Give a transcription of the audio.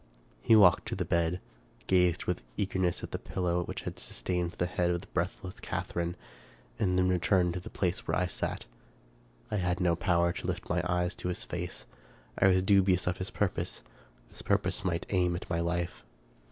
He walked to the bed, gazed with eagerness at the pillow which had sustained the head of the breathless Catharine, and then returned to the place where I sat. I had no power to lift my eyes to his face : I was dubious of his purpose ; this purpose might aim at my life.